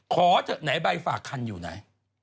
ขอเถอะไหนใบฝากคันอยู่ไหน